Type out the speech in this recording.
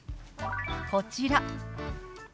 こちら。